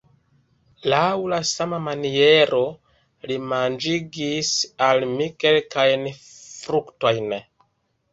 Laŭ la sama maniero li manĝigis al mi kelkajn fruktojn.